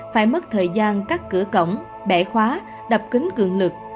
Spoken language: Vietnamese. phải mất thời gian cắt cửa cổng bẻ khóa đập kính cường lực